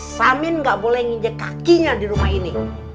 samin gak boleh nginjak kakinya di rumah ini